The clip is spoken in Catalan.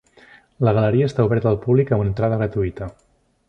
La galeria està oberta al públic amb entrada gratuïta.